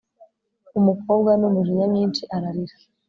umukobwa n'umujinya mwinshi ararira